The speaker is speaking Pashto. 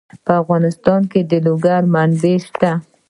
په افغانستان کې د لوگر منابع شته.